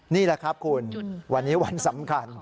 นี่แหละครับคุณวันนี้วันสำคัญ